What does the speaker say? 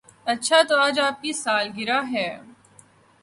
اچھا تو آج آپ کی سالگرہ ہے